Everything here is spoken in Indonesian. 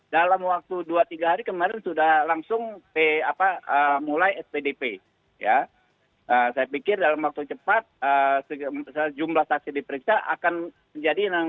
dalam waktu dua tiga hari kemarin sudah langsung mulai spdp saya pikir dalam waktu cepat jumlah saksi diperiksa akan menjadi enam puluh